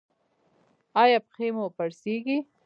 ایا پښې مو پړسیږي؟